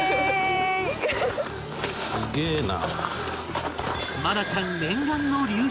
すげえな。